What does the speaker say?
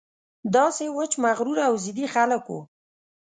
داسې وچ مغروره او ضدي خلک وو.